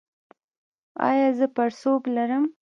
ایا زه پړسوب لرم؟